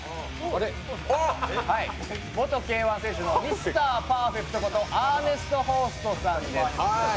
元Ｋ−１選手のミスター・パーフェクトことアーネスト・ホーストさんです。